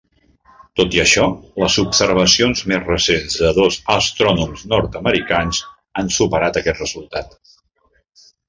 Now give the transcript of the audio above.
Tot i això, les observacions més recents de dos astrònoms nord-americans han superat aquest resultat.